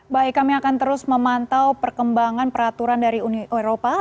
baik kami akan terus memantau perkembangan peraturan dari uni eropa